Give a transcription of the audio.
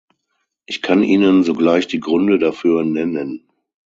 Ich kann Ihnen sogleich die Gründe dafür nennen.